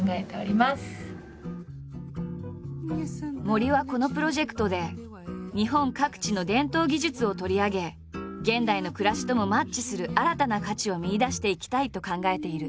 森はこのプロジェクトで日本各地の伝統技術を取り上げ現代の暮らしともマッチする新たな価値を見いだしていきたいと考えている。